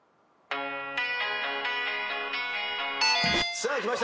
さあきました